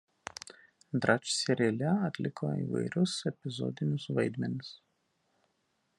Dratch seriale atliko įvairius epizodinius vaidmenis.